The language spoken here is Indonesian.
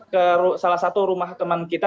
ke salah satu rumah teman kita